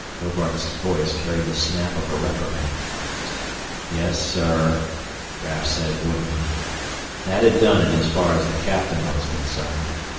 Hobart's voice carried the snap of a reprimand. "Yes, sir," Raf said woodenly. That had done it as far as the captain was concerned.